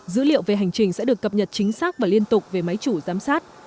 dữ liệu về hành trình sẽ được cập nhật chính xác và liên tục về máy chủ giám sát